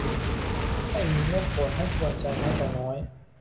ไม่มีเม็ดฝนให้กวนใจแม้แต่น้อย